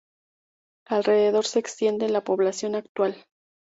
Alrededor se extiende la población actual.